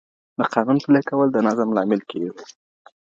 د قانون پلي کول د نظم لامل کيږي.